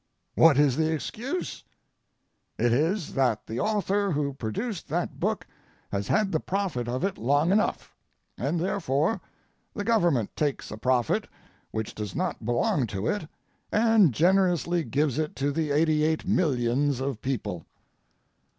What is the excuse? It is that the author who produced that book has had the profit of it long enough, and therefore the Government takes a profit which does not belong to it and generously gives it to the 88,000,000 of people.